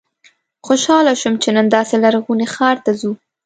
خوشاله شوم چې نن داسې لرغوني ښار ته ځو.